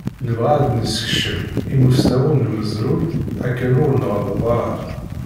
Nebɣa ad d-nessekcem imusnawen n umezruy akken ur nɣelleḍ ara.